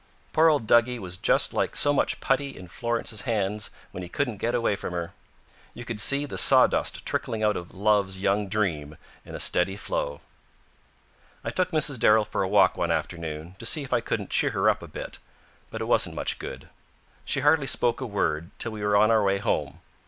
Poor old Duggie was just like so much putty in Florence's hands when he couldn't get away from her. You could see the sawdust trickling out of Love's Young Dream in a steady flow. I took Mrs. Darrell for a walk one afternoon, to see if I couldn't cheer her up a bit, but it wasn't much good. She hardly spoke a word till we were on our way home.